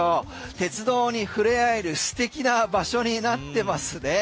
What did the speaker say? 鉄道に触れ合える素敵な場所になってますね。